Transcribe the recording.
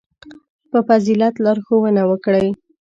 • په فضیلت لارښوونه وکړئ.